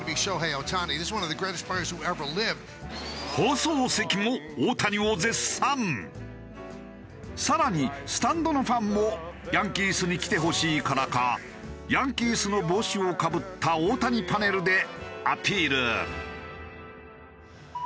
放送席も更にスタンドのファンもヤンキースに来てほしいからかヤンキースの帽子をかぶった大谷パネルでアピール。